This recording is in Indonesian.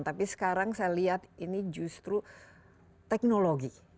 tapi sekarang saya lihat ini justru teknologi